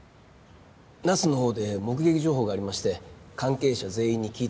那須の方で目撃情報がありまして関係者全員に聞いてるんです。